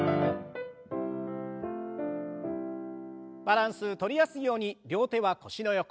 バランスとりやすいように両手は腰の横。